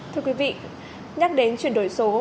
thưa quý vị nhắc đến chuyển đổi số